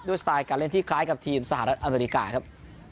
สไตล์การเล่นที่คล้ายกับทีมสหรัฐอเมริกาครับ